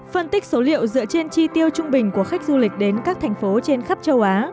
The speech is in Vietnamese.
phân tích số liệu dựa trên chi tiêu trung bình của khách du lịch đến các thành phố trên khắp châu á